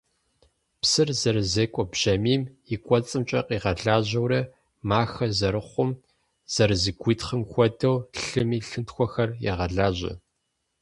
Псыр зэрызекӏуэ бжьамийм и кӏуэцӏымкӏэ къигъэлажьэурэ махэ зэрыхъум, зэрызэгуитхъым хуэдэу, лъыми лъынтхуэхэр егъэлажьэ.